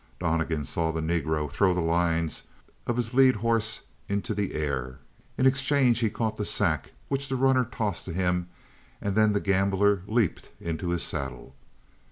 Donnegan saw the Negro throw the lines of his lead horse into the air. In exchange he caught the sack which the runner tossed to him, and then the gambler leaped into his saddle.